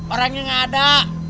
orangnya nggak ada